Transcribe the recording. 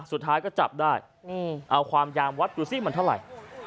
สุดท้ายก็จับได้นี่เอาความยามวัดดูสิมันเท่าไหร่